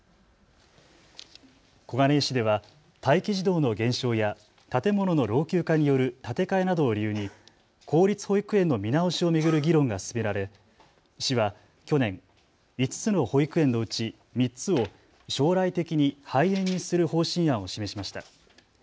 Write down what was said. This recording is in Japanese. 小金井市では待機児童の減少や建物の老朽化による建て替えなどを理由に公立保育園の見直しを巡る議論が進められ市は去年、５つの保育園のうち３つを将来的に廃園にする方針案を示しました。